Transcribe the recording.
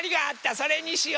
それにしよ。